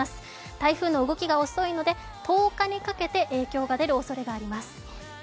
台風の動きが遅いので１０日にかけて影響が出るおそれがあります。